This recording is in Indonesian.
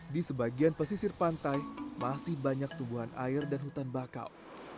di sebagian pesisir pantai masih banyak tumbuhan air dan hutan bakau